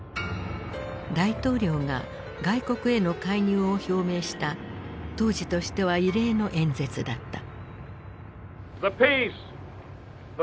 大統領が外国への介入を表明した当時としては異例の演説だった。